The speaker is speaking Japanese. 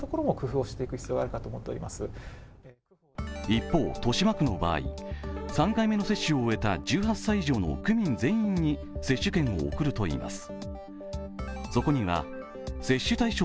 一方、豊島区の場合３回目の接種を終えた１８歳以上の区民全員に接種券を送るといいます。